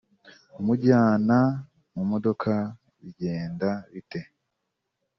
umujyana mu modoka bigenda bite